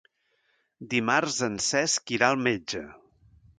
Dimarts en Cesc irà al metge.